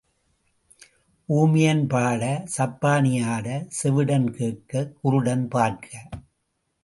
ஊமையன் பாட, சப்பாணி ஆட, செவிடன் கேட்க, குருடன் பார்க்க.